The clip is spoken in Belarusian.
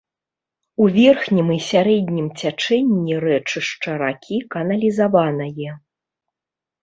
У верхнім і сярэднім цячэнні рэчышча ракі каналізаванае.